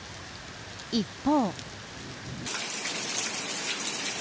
一方。